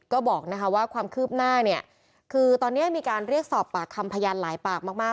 ก็บอกว่าความคืบหน้าเนี่ยคือตอนนี้มีการเรียกสอบปากคำพยานหลายปากมาก